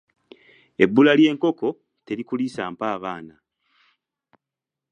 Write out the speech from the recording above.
Ebbula ly’enkoko, terikuliisa mpaabaana.